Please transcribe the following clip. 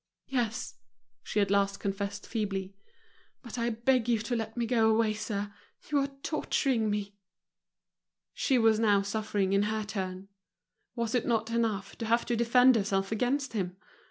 "Yes," she at last confessed, feebly. "But I beg you to let me go away, sir, you are torturing me." She was now suffering in her turn. Was it not enough to have to defend herself against him?